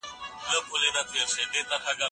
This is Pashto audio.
کوم عمل د الله په وړاندې ډیر محبوب دی؟